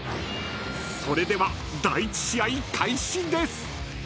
［それでは第１試合開始です！］